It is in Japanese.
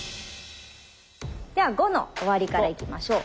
では５の終わりからいきましょう。